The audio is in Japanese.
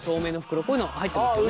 こういうの入ってますよね。